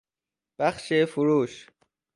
بخش فروش